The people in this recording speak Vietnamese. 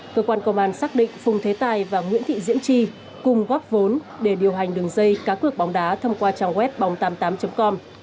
cơ quan công an xác định phùng thế tài và nguyễn thị diễm chi cùng góp vốn để điều hành đường dây cá cược bóng đá thông qua trang web bóng tám mươi tám com